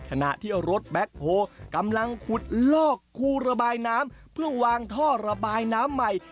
ขณะที่รถแบ็คโฮลกำลังขุดลอกคูระบายน้ำเพื่อวางท่อระบายน้ำใหม่